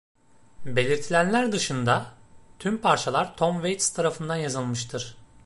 Belirtilenler dışında, tüm parçalar Tom Waits tarafından yazılmıştır.